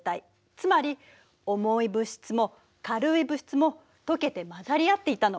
つまり重い物質も軽い物質も溶けて混ざり合っていたの。